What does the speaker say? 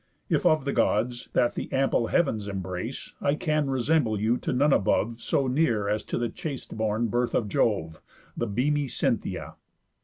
If of the Gods, that th' ample heav'ns embrace, I can resemble you to none above So near as to the chaste born birth of Jove, The beamy Cynthia.